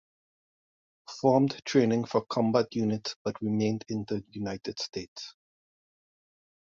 Performed training for combat units, but remained in the United States.